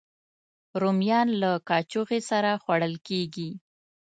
رومیان له کاچوغې سره خوړل کېږي